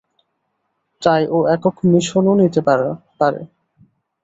তাই ও একক মিশনও নিতে পারে।